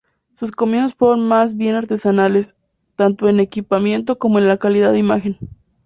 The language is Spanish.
Sus comienzos fueron más bien artesanales, tanto en equipamiento como en calidad de imagen.